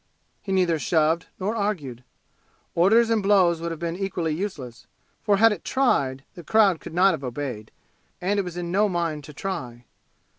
He neither shoved nor argued. Orders and blows would have been equally useless, for had it tried the crowd could not have obeyed, and it was in no mind to try.